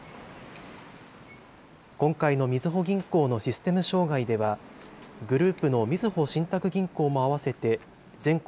今回のみずほ銀行のシステム障害では、グループのみずほ信託銀行も合わせて、全国